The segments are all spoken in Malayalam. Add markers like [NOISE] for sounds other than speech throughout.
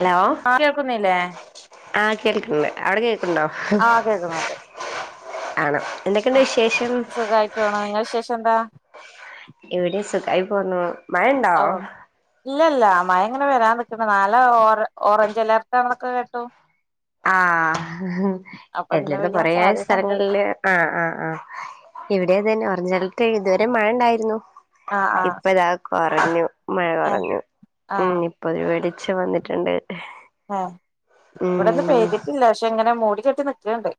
ഹലോ ആഹ് കേൾക്കുന്നില്ലേ ആഹ കേൾക്കണ്ട് അവിടെ കേക്കണ്ടോ ആഹ് ആണ് ആഹ സുഖായിട്ട് ആണോ നിങ്ങൾ വിശേഷം എന്താ ഇവിടിം സുഖായി പോണു മഴ ഇണ്ടോ ഓ ഇല്ലല്ല മഴ ഇങ്ങനെ വരാൻ നിക്കുന്ന നാളെ ഓ ഓറഞ്ച് അലേർട്ട് ആണ് ന്നൊക്കെ കേട്ടു ആ അപ്പൊ ഇന്ന് എല്ലത്ത പെയ്യാൻ കൊറേ സാധ്യതണ്ട് സ്ഥലങ്ങളില് ആഹ് ആ ആഹ് ഇവിടെതന്നെ ഓറഞ്ച് അലർട്ട് ഇതുവരെ മഴ ഉണ്ടായിരുന്നു ആഹ് ആഹ് ഇപ്പ ഇതാ കുറഞ്ഞു മഴ ഏഹ് കുറഞ്ഞു ഉ ആഹ് [UNINTELLIGIBLE] വന്നിട്ടുണ്ട്. ആ ഇവിടെന്ന് ഉം പെയ്തിട്ടില്ല പക്ഷെ ഇങ്ങനെ മൂടി കെട്ടി നിക്ക്ണ്ട്.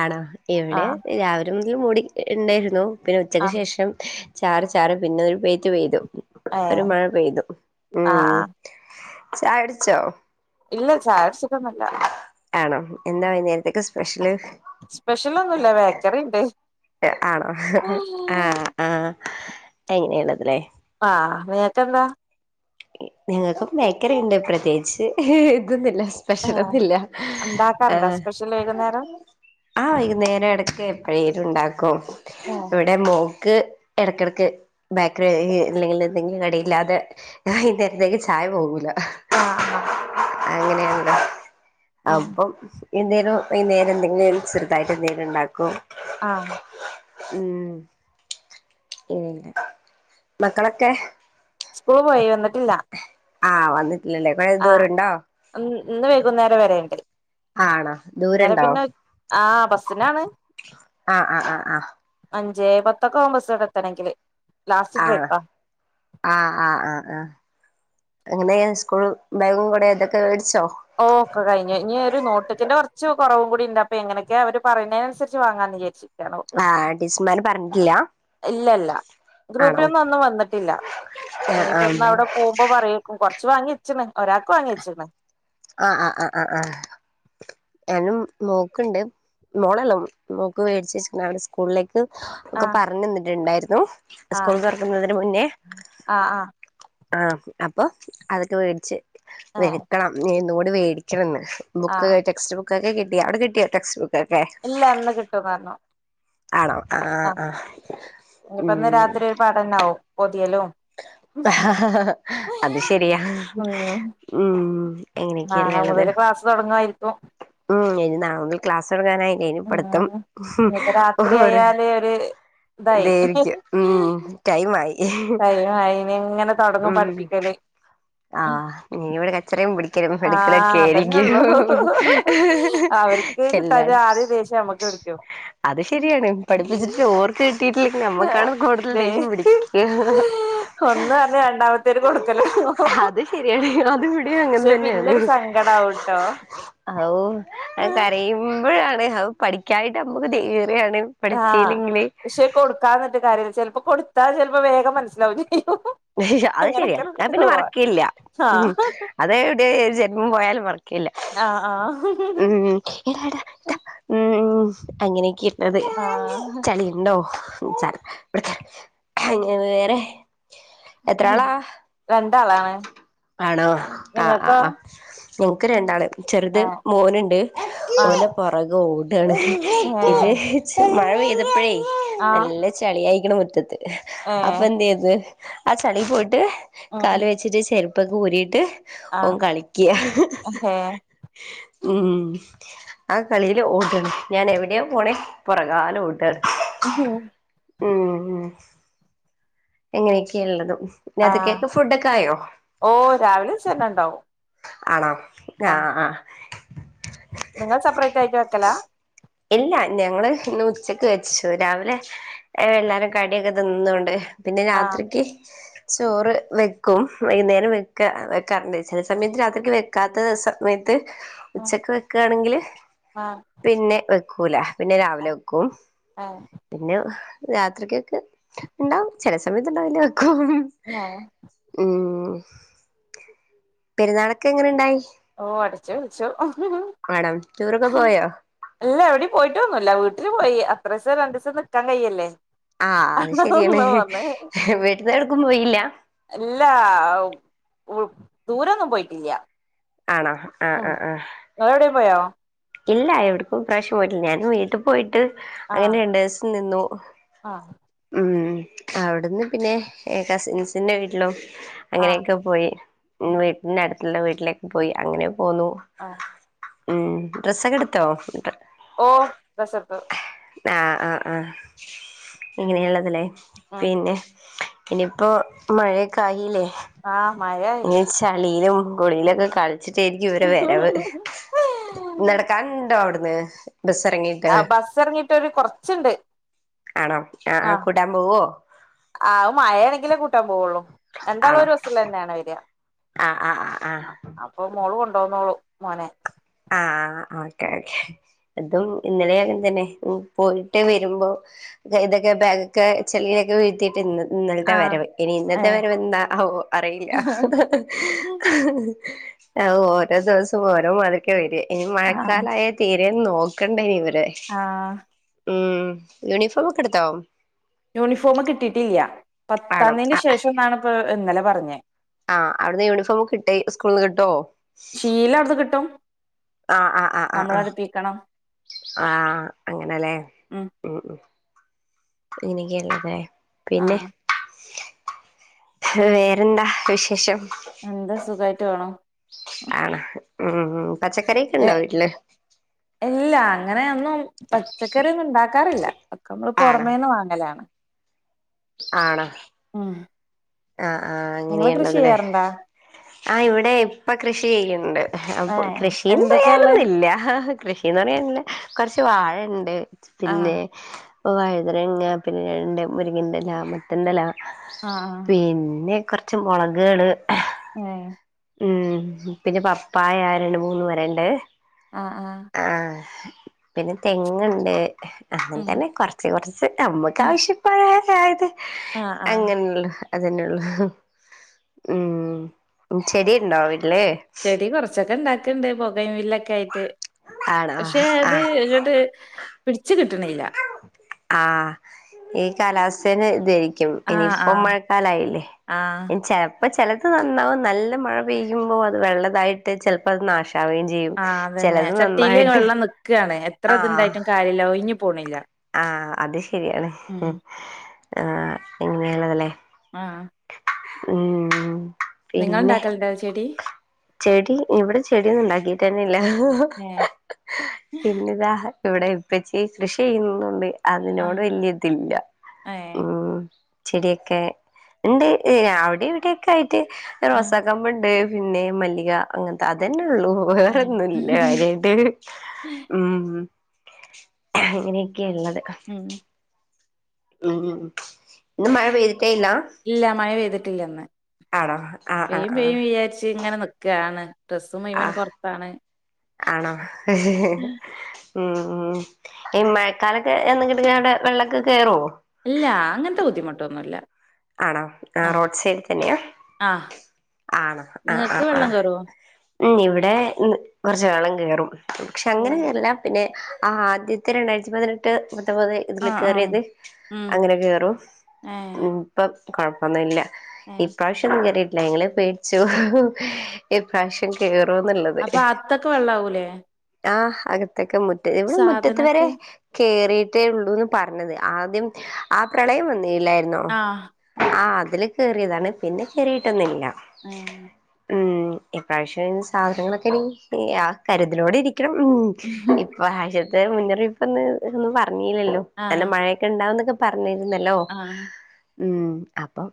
ആണോ ഇവിടെ ആഹ് രാവിലെ മുതൽ മൂടി ഇണ്ടായിരുന്നു പിന്നെ ഉച്ചക്ക് ആഹ് ശേഷം. ചാറി ചാറി പിന്നെ ഒരു പെയ്ത്ത് പെയ്തു ഒരു ഏഹ് മഴ പെയ്തു ഉ ആഹ് ആഹ് ചായുടിച്ചോ? ഇല്ല ചായ ടിച്ചിട്ടൊന്നുല്ല. ആണോ എന്താ വൈുന്നേരത്ത്ക്ക് സ്പെഷ്യല്? സ്പെഷ്യലൊന്നുല്ല ബേക്കറി ഉണ്ട്. ആണോ ആ ആ അങ്ങനെണത് ലേ ആഹ് നിങ്ങക്ക് എന്താ? ഞങ്ങക്കും ബേക്കറി ഉണ്ട് പ്രത്യേകിച്ച് ഹി ഇതൊന്നുമില്ല. ഏഹ് സ്പെഷ്യലൊന്നില്ല ഇണ്ടാക്കാറുണ്ടോ ആഹ സ്പെഷ്യൽ വൈകുന്നേരം ആഹ വൈകുന്നേരം ഇടക്ക് എപ്പോഴേലും ഉണ്ടാക്കും. ഏഹ് ഇടെ മോക്ക് ഇടക്കിടക്ക് ബാക്കറി അല്ലെങ്കിൽ എന്തെങ്കിലും കടിയില്ലാതെ. ഞാൻ ഈന്നേരത്തേക്ക് ചായ പോകൂല? ആ ആഹ് അങ്ങനെയാണ് ഉം അപ്പം. എന്തേലും വൈന്നേരം എന്തെങ്കിലും ചെറുതായിട്ട് എന്തേങ്കിലും ഉണ്ടാക്കും. ആഹ് ഉം ഉം മക്കളൊക്കെ? സ്കൂൾ പോയി വന്നിട്ടില്ല. ആഹ് വന്നിട്ടില്ലല്ലേ കുറെേ ദൂരം ഉണ്ടോ? അ ഇന്ന് വൈകുന്നേരം വരേണ്ട്. ആണോ ഇന്നലെ ദൂരണ്ടോ പിന്നെ ആഹ്‌ ബസിനാണ്. ആഹ് ആഹ് ആഹ് ആഹ് അഞ്ചേപത്തൊക്കെ ആകും ബസ് ഇവിടെ എത്തണെങ്കില്. ലാസ്റ്റ് ആഹ്‌ ട്രിപ്പാ ആഹ്‌ ആഹ് ആഹ്‌ ആഹ്‌ അങ്ങനെ സ്കൂൾ ബാഗും കൊടെ ഇതൊക്കെ വേടിച്ചോ? ഓ ക്കെ കഴിഞ് ഇനി ഒരു നോട്ടിന്റെ കുറച്ച് കുറവും കൂടി ഉണ്ട് അപ്പൊ എങ്ങനൊക്ക അവര് പറയുന്നതിനനുസരി ച്ച് വാങ്ങാന്നെ ചു. [UNINTELLIGIBLE] ആഹ്‌ ടിച്ചർമാര് പറഞ്ഞിട്ടില്ല. ഇല്ല ഇല്ല ആണോ ഗ്രൂപ്പിലൊന്നും ഒന്നും വന്നിട്ടില്ല ആഹ് ആഹ് ഇനിയിപ്പന്ന് അവിടെ പോകുമ്പോ പറയും. കുറച്ച് വാങ്ങി വച്ചിക്ക്ണ് ഒരാൾക്ക് വാങ്ങി വച്ചിണ്. ആഹ്‌ ആഹ്‌ ആഹ്‌ ആഹ്‌ ആഹ്‌ ഞാനും മോക്ക്ണ്ട് മോളല്ലോ നോക്ക് മേടിച്ച വച്ചടെ സ്കൂളിലേക്ക്. ആ ഒക്കെ പറഞ്ഞു തന്നിട്ടുണ്ടായിരുന്നു സ്കൂൾ തുറക്കുന്നതിന് മുന്നേ. ആഹ്‌ ആഹ്‌ ആഹ്‌ അപ്പൊ അതൊക്കെ മേടിച്ച് ഏ വക്കണം ഇന്നുകൂടി മേടിക്കണന്ന്. ആ ബുക്ക് ടെക്സ്റ്റ് ബുകൊ കെ കിട്ടി അവിടെ കിട്ടിയോ ടെക്സ് ബുക്ക്? ഇല്ല ഇന്ന് കിട്ടും പറഞ്ഞു. ആണോ ആഹ്‌ ആ ആഹ്‌ ആഹ്‌ ഉ പാടന്നാവും പൊതിയലു. അത് ശരിയാ. ഉം ഉം എങ്ങനെയൊക്കെല്ലേ ഉള്ളത്. തുടങ്ങായിരിക്കും. ഉം ഇനി നാളമുതൽ ക്ലാസ് തൊടങ്ങാനായി. ഉ ഇഞ്ഞിപ്പ രാത്രി ഓര് ആയാല് ഒരു ഇതായി. ഇതായിരിക്കും ഉം ടൈം ആയി. ടൈം ആയിയിനി ഇങ്ങനെ തുടങ്ങും പഠിപ്പിക്കല്. ആഹ്‌ ഇനീ ഇവിടെ കച്ചറയും പിടിക്കലും എടുക്കലൊക്കെ ആഹ് അതന്നെ ആയിരിക്കും ഉള്ളൂ അവർക്ക് കിട്ടാഞ്ഞാൽ എല്ലാടും ആദ്യം ദേഷ്യംനമുക്ക് പിടിക്കും. അത് ശരിയാണ് പഠിപ്പിച്ചിട്ട് ഓർക്ക് കിട്ടിട്ടില്ലെങ്കിൽ നമ്മക്കാണ് കൂടുതൽ ദേ ദേഷ്യം പിടിക്ക രണ്ടാമത്തേര് കൊടുക്കലോല്ലു അത് ശെരിയാണ് അത് ഇവിടെ അങ്ങനെ തന്നെണ്. പിന്നൊരു സങ്കടാവുട്ടോ ആവൂ അഹ്‌ കരയുമ്പോഴാണ് അവ് പഠിക്കായിട്ട് മ്മക്ക് ദേ ഇറെയാണ്. ആഹ്‌ പക്ഷെ കൊടുക്കാത്തിരിന്നിട്ട് കാര്യല്ല്യ ചിലപ്പോ കൊടുത്താ ചിലപ്പോ വേഗം മനസ്സിലാവും ചെയ്യും ഉം അത് ശെരിയാ ഞാൻ പിന്നെ മറക്കെല്യ ഉമ്മ് ആഹ് അത് ഇവിടെ ജന്മം പോയാലും മറക്ക ഇല്ല ആഹ് ഉം എടാ എടാ ടാ ഉം അങ്ങനെയൊക്കെ ഇള്ളത്. ആഹ് ചളിയുണ്ടോ ഉം ചളി ഇവിടെ അങ്ങനെ വേറെ എത്ര ആളാ രണ്ടാളാണ് ആണോ ആഹ് നിങ്ങൾക്കോ ആഹ്‌ ആഹ്‌. ഓക്ക് രണ്ടാള് ചെറുത് ആഹ് മോനുണ്ട് ആഹ് ഓന് പുറകേ ഓടാണ്. ഇത് ഏഹ് ഹേ മഴ പെയ്തപ്പോഴേ ആഹ് നല്ല ചളി ആയിരിക്കണ മുറ്റത്ത്. അപ്പൊ ഏഹ് എന്ത് ചെയ്ത് ആ ചളി പോയിട്ട് ഉം കാല് വെച്ചിട്ട് ചേരു പ്പൊക്കെ ഊരിയിട്ട് ഓൻ ആഹ് കളിക്ക ഏഹ് ഉം ആ കളിയില് ഓടാണ് ഞാൻ എവിടെയാ പോണേ പുറകാലെ ഓടാണ്. ഉം ഉം ഇങ്ങനെയൊക്കെയ ഉള്ളത് ഹും രാത്രിത്തേക്കേക്ക് ഫുഡൊക്കെ ആയോ? ഓഹ്‌ രാവിലെ വെച്ചെന്നെ ഉണ്ടാവും. ആണോ ആഹ് ആഹ്‌ ആഹ്‌ നിങ്ങള് സപറേറ്ററയിറ്റ് വെക്കലാ എല്ല ഞങ്ങള് ഇന്ന് ഉച്ചക്ക് വെച്ചു രാവ് ലെ എല്ലാരും കടിയൊക്കെ തിന്നോണ്ട് പിന്നെ ആഹ് രാത്രിക്ക് ചോറ് വെക്കും വൈകുന്നേരം വെക്ക വെക്കാറുണ്ട് ചെല സമയത്ത് രാത്രിക്ക് വെക്കാത്ത സമയത്ത് ഉച്ചക്ക് വെക്കാണങ്കില് ആഹ് പിന്നെ വെക്കൂല പിന്നെ രാവിലെ വെക്കും ആഹ് പിന്നെ രാത്രിക്യൊക്കെ ണ്ടാവും ചെല സമയത്ത്ണ്ടാവില്ല വെക്കും ലേ ഉം പെര്ന്നാളെക്കെ എങ്ങനെണ്ടായി ഓ അടച്ച് പെൽച്ചു മാഡം റ്റൂറൊക്കെ പോയോ ഇല്ല എവിടിം പോയിട്ടൊന്നുല്ല വീട്ടില് പോയി അത്രേസം രണ്ടിസം നിക്കാൻ കയ്യെല്ലെ ആഹ് അത് ശരിയാണ് ഹ് ഹ് വീട്ടിന്ന് എവ്ട്ക്കും പോയില്ലാ ഇല്ല കുൾ ദൂരൊന്നും പോയിട്ടില്യ ആണോ ആഹ് ആഹ് ആഹ് വേറെ എവിടേം പോയോ ഇല്ല എവിട്ക്കും ഇപ്രാശ്യം പോയിട്ടി ഞാനും വീട്ടും പോയിട്ട് അങ്ങനെ ആഹ് രണ്ടേസം നിന്നു ആഹ് ഉം അവ്ട്ന്ന് പിന്നെ എ കസിൻസിന്റെ വീട്ട്ലും ആഹ് അങ്ങനെയൊക്കെ പോയി ഉം ആഹ് വീട്ട്ന്റെ അട്ത്ത്ള്ള വീട്ടിലേക്ക് പോയി അങ്ങനെ പോന്നു ആഹ് ഉം ഡ്രസ്സക്കെട്ത്തോ ഓ ഡ്രസ്സട്ത്തു ആഹ് ആഹ് ആഹ് ഇങ്ങനെയ്ള്ളത് ലേ ഉം പിന്നെ ഇനിപ്പോ മഴെക്കായീലേ ആഹ് മഴയായി ഞ് ചളീലും കുളീലൊക്കെ കൾച്ചിട്ടേ ര്ക്കും ഇവരെ വിരവ് നടക്കാൺണ്ടോ അവ്ട്ന്ന് ബസ്സറങ്ങി ആഹ് ബസ്സർങ്ങീട്ടൊര് കൊർച്ച്ണ്ട് ആണോ ആഹ് ആഹ് കൂട്ടാൻ പോവ്വോ ആവ് മഴേണങ്കിലും കൂട്ടാപോവൊള്ളൂ ആണോ രണ്ടാളൊര് വസ്സിലന്നെണ് വര്യാ ആഹ് ആഹ് ആഹ് ആഹ് അപ്പൊ മോള് കൊണ്ടോന്നോളും മോനെ ആഹ് ആഹ് ആഹ് ആഹ് ഓക്കെ ഓക്കെ തും ഇന്നലെ അങ്ങൻതന്നെ ഉം പോയിറ്റ് വരുമ്പോ ദെ ഇതക്കെ ബാഗക്കെ ചെള്ളിയക്കെ വീഴ്ത്തിട്ടിന്നത് ഇന്നൽത്തെ ആഹ് വരവ് ഇനി ഏ ഇന്നത്തെ വരവ് എന്താ ആവോ അറെയില്ലാ ആഹ് ഓരോ ദവസും ഓരോ മാതൃരിക്കാ വര്യ ഇനി ആഹ് മഴക്കാലായ തീരെന്ന് നോക്കണ്ടേനി ഇവരെ ആഹ് ഉം യൂണിഫോമൊക്കെട്ത്തോ യൂണിഫോമ് കിട്ടീട്ടില്യ ആണോ പത്താന്തിൻ്റെ ആഹ് ശേഷംന്നാണ് പ്പ ഇന്നലെ പറഞ്ഞേ ആഹ് അവ്ട്ന്ന് യൂണിഫോം കിട്ടെയ് സ്കൂൾന്ന് ഗ്ട്ടോ ഈലക്കാ ക്ക്ട്ടും ആഹ് ആഹ് ആഹ് നമ്മളട്പ്പിക്കണം ആഹ് അങ്ങനെലേ ഉം ഉം ഇനിക്കെല്ലലേ പിന്നെ ആഹ് വേറെന്താ വിശേഷം എന്താ സുഖായിറ്റ് വോണു ആണ ഉം പച്ചക്കറിക്കെണ്ടോ വീട്ടില് എല്ല അങ്ങനെ ഒന്നും പച്ചക്കറിന്നു ണ്ടാക്കാറില്ല ഒക്കെ മ്മള് ആണോ പൊറമേന്ന് വാങ്ങലാ ആണോ ഉം ആഹ് ആഹ് നിങ്ങള് അങ്ങനെയാണ് കൃഷി അത് ലെ ചെയ്യാറുണ്ടാ ആഹ് ഇവിടെ ഇപ്പ കൃഷി ചെയ്യ്ൺ ഇണ്ട് അപ്പൊ ഏഹ് കൃഷിന്ന് എന്തൊക്കെയാ ഉള്ളെ പറയാനൊന്നും ഇല്ലാ ഷിന്ന് പറിയാൻ ഇല്ലാ. കൊർച്ച് വാഴ ഇണ്ട് ആഹ് പിന്നെ ഓഹ് വഴ്തെനങ്ങ പിന്നെ രണ്ട് മുരുങ്ങെൻ്റെ എലാ മത്തെന്റെ എലാ ആഹ് പിന്നെ കൊർച്ച് മൊളക് കൾ ഏഹ് ഉം പിന്നെ പപ്പായ രണ്ട് മൂന്ന് മരം ഇണ്ട്. ആഹ് ആഹ് ആഹ് പിന്നെ തെങ്ങ് ഇണ്ട്. അങ്ങെൻ ഉം തെന്നെ കൊർച്ച് കൊർച്ച് ഞമ്മെക്ക് ആവശ്യപ്പെയാ അയെത് ആഹ് ആഹ് അങ്ങനെ ഒള്ളു അതെന്നെ ഒള്ളു ഉം ചെടി ഇണ്ടോ വീട്ട്ൽ ചെടി കൊർച്ചൊക്കെ ഇണ്ടാക്ക്ണ്ട് ബൊഗെൻ വില്ലൊക്കെ ആയിട്ട് ആണോ പക്ഷെ അത് ആഹ് ഇങ്ങെട്ട് പിട്ച്ച് കിട്ട്ണ് ഇല്ലാ ആഹ് ഈ കാലാവസ്ഥെന് ഇതെയ് ക്കും ആഹ് ഇനിയിപ്പം ആഹ് മഴക്കാലം ആയില്ലെ ആഹ് ഇനി ചെ അപ്പം ചെലെത് നന്നാവും നല്ല മഴ പെയ്യുമ്പോ അത് വെള്ളതായിട്ട് ചെൽപ്പം അത് നാശവെം ചെ ആഹ് അതെന്നെ ചട്ടിൽ വെള്ളം നിക്കാണ് എത്ര ഇത് ആഹ് ഇണ്ടായിട്ടും കാര്യ ഇല്ല ഒഴിഞ്ഞ് പോണ് ഇല്ലാ ആഹ് അത് ശരിയാണ് ആഹ് ഇങ്ങനെ ലെ ആഹ് ഉം നിങ്ങെൾ പിന്നെ ഇണ്ടാക്കെൽ ഇണ്ടോ ചെടി ചെടി ഇവെടെ ചെടിയൊന്നും ഇണ്ടാക്കിട്ടെന്നെ ഇല്ലാ ഏഹ് പിന്നെ ഇതാ ഇവ്ടെ ഉപ്പെച്ചി കൃഷി ചെയ്യുന്നുണ്ട് അതിനോട് ആഹ് വെല്ല്യ ഇത് ഇല്ലാ ഏഹ് ചെടി ഒക്കെ ഇണ്ട് അവ്ടിം ഇവെടിം ഒക്കെ ആയിട്ട് ആഹ് റോസാ കൊമ്പ് ഇണ്ട് പിന്നെ മല്ലികാ അങ്ങെൻത്തെ അതെന്നെ ഒള്ളു വെറെ ഏഹ് ഒന്നും ഇല്ലാ കാര്യായിട്ട് ഉം അങ്ങനെയെക്കെ ഇള്ളെത്. ഉം ഉം ഇന്ന് മഴ പെയ്തിട്ടെ ഇല്ലാ ഇല്ല മഴ പെയ്തിട്ട് ഇല്ല ഇന്ന് ആഹ് ആഹ് പെയ്യും പെയ്യും ആഹ് വിചാരിച്ച് ഇങ്ങനെ നിക്ക് ക്കാണ് ഡ്രസ്സും മുഴ്‌വെനും ആഹ് പൊർത്താണ് ആണോ? ഉം ഉം ഈ മഴക്കാലൊക്കെ എന്ന് ഇങ്ങെട്ട് കാണ്ട് വെള്ളൊക്കെ കേറോ? ഇല്ലാ അങ്ങെൻത്തെ ബുദ്ധിമുട്ട് ഒന്നും ഇല്ലാ. ആണോ? ആഹ് റോഡ് സൈഡി തെന്നെയാ ആഹ് ആണോ ആഹ് നിങ്ങക്ക് ആഹ് വെള്ളം ആഹ് കേറോ ഉം ഇവിടെ ഇന്ന് കൊർച്ച് വെള്ളം കേറും പക്ഷെ അങ്ങനെ ഓഹ് കേർല്ലാ പിന്നെ ആഹ് ആദ്യത്തെ രണ്ടായിരെത്തി പതിനെട്ട് പത്തൊമ്പെത് ഇതിൽ ആഹ് ആഹ് കേറിയെത് ഉം അങ്ങനെ കേറും ഏഹ് ഉം ഇപ്പം കൊഴപ്പൊന്നും ഇല്ലാ ഏഹ് ഇപ്രാവ്ശ്യം ഒന്നും കേറിട്ട് ഇല്ലാ ഞങ്ങെൾ പേട്ച്ചു ഇപ്രാവ്ശ്യം കേറോന്ന് ഇള്ളെത് ത്തൊക്കെ വെള്ളം ആവൂലെ ആഹ് അകത്തൊക്കെ മുറ്റം ഇവെടെ മുറ്റെത്ത് വെരെ സാധനൊക്കെ കേറിയിട്ടെ ഒള്ളുന്ന് പർണെത് ആദ്യം ആ പ്രളയം വന്നില്ലായിര്ന്നോ ആഹ് ആഹ് അതിൽ കേറിതാണ് പിന്നെ കേറീട്ട് ഒന്നും ഇല്ലാ ഏഹ് ഉം ഇപ്രാവശ്യം സാധനങ്ങളൊക്കെ ആ കരുതലോടെ ഇരിക്കണം ഉ ഇപ്രാവശ്യത്തെ മുന്നറിയിപ്പ് ഒന്ന് ഒന്നും പറഞ്ഞില്ലല്ലോ നല്ല ആഹ് മഴയൊക്കെ ഇണ്ടാവുന്നൊക്കെ പറഞ്ഞിരുന്നല്ലോ ആഹ് ഉ അപ്പം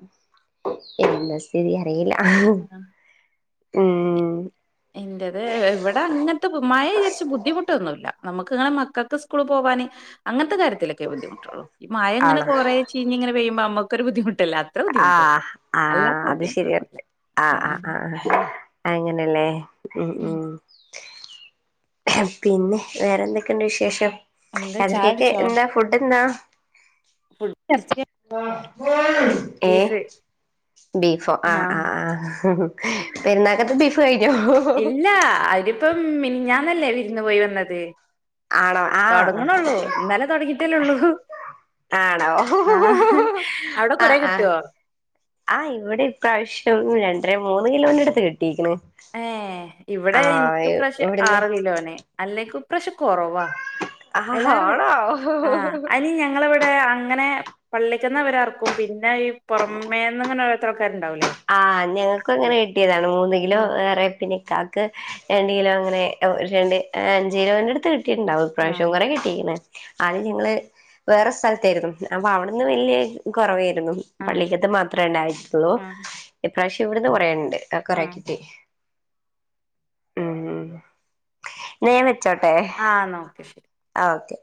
എന്താ സ്ഥിതി അറിയില്ല ആ ആഹ് ഉം എന്റത് ഇവിടെ അങ്ങനത്തെ മഴ വിചാരിച്ച് ബുദ്ധിമുട്ടൊന്നുല്ല നമുക്ക് ഇങ്ങനെ മക്കൾക്ക് സ്കൂള് പോവാന് അങ്ങനത്തെ കാര്യത്തിലൊക്കെ ബുദ്ധിമുട്ടുള്ളൂ ഈ മഴ ഇങ്ങനെ ആണോ കുറേ ചീഞ്ഞങ്ങെനെപെയ്യുമ്പോമ്മക്കൊരു ബുദ്ധിമുട്ടല്ലെ ആ ആ അത് ശരിയ ആഹ്‌ ആ് ആഹ് ആ് അങ്ങനെയല്ലേ പിന്നെ വേറെന്തൊക്കെയുണ്ട് വിശേഷം എന്താ ചായ രാവിലെകെക് എന്താ ഫുഡ് എന്താ കുടിച്ചോ ഏ ബീഫ് ബീഫോ ആഹ ആഹ് ആ പെരുന്നാകത്തേ ബീഫ് കഴിഞ്ഞോ ഇല്ലാ അയിനിപ്പം മിഞ്ഞാന്നല്ലേ വിരുന്ന് പോയി വന്നത് ആണോ ആ തുടങ്ങണള്ളൂ ഇന്നലെ തുടങ്ങിട്ടല്ലേ ഉള്ളൂ ആണോ ഹു.. ഹു.. അവിടെ കൊറേ ആ കിട്ടുവോ ആഹ്‌ ഇവിടെ ഇപ്രാവശ്യം രണ്ടര മൂന്ന് കിലോന്റെ അടുത്ത് കിട്ടീക്കണ് ഏ ഇവിടെ എനിക്ക് പ്രാവിശം ഇവിടുന്ന് ആറ് കിലോനെ അല്ലേലും ഇപ്രാശം കൊറവാ ആഹ് അയില്ലാറെ ആ ആണോ അയ്നി ഞങ്ങളെ ഇവിടെ അങ്ങനെ പള്ളിക്കന്ന അവരർക്കും പിന്നെ ഈ പുറമേന്ന ഇങ്ങനെ ഓരോരുത്തർ ആക്കാരുണ്ടാവൂലേ ആഹ് ഞങ്ങൾക്ക് അങ്ങനെ കിട്ടിയതാണ് മൂന്ന് കിലോ ഉം വേറെപ്പിനക്കാക് രണ്ട് കിലോ അങ്ങനെ ഒരു രണ്ട് അഞ്ച് കിലോന്റെ അടുത്ത് കിട്ടിട്ടണ്ടാവും ഇ പ്രാവശ്യം ആഹ് കുറ കിട്ടി അദിയം ഞങ്ങള് വേറെ സ്ഥലത്തായിരുന്നു അപ്പൊ അവിടുന്ന് വലിയ കുറവെയിന്നു ആഹ് പള്ളിക്കത്ത് മാത്രമേ ഉണ്ടായിള്ളൂ ഇപ്രാവശ്യം ഇവിടുന്ന് കുറേണ്ട് ആഹ് കൊറക്കിട്ടി ന്നാ ഞാൻ വെച്ചോട്ടെ ആഹ് ന്നോക്കെ ശരി ആഹ് ഓക്കെ